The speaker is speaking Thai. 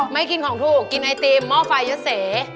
ไม่กินของถูกกินไอศกรีมหม้อไฟยศเศษ